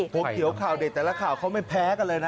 หัวเขียวข่าวเด็ดแต่ละข่าวเขาไม่แพ้กันเลยนะ